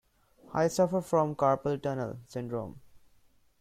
I suffer from carpal tunnel syndrome.